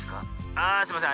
ああすいません。